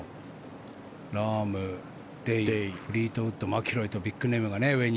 ラーム、デイフリートウッド、マキロイとビッグネームが上に。